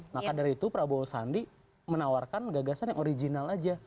maka dari itu prabowo sandi menawarkan gagasan yang original aja